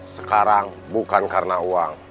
sekarang bukan karena uang